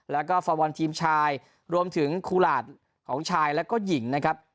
แล้วก็ฟอร์บอลทีมชายรวมถึงคูหลาดของชายแล้วก็หญิงนะครับ